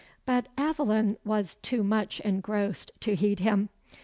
'" But Aveline was too much engrossed to heed him.